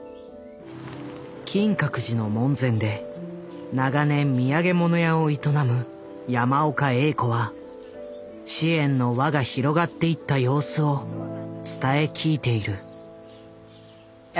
金閣寺の門前で長年土産物屋を営む山岡栄子は支援の輪が広がっていった様子を伝え聞いている。